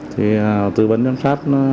thì tử vấn giám sát